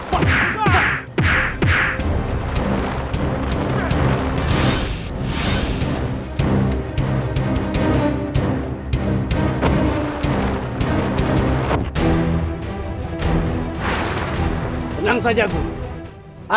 tenang saja gua